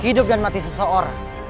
hidup dan mati seseorang